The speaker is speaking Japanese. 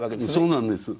そうなんです。